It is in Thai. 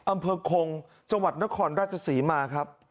อำเภอคงจังหวัดนครราชศรีมาครับ